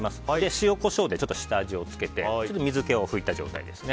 塩、コショウで下味を付けて水気を拭いた状態です。